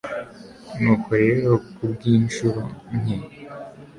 nuko rero ku bw'incuro nke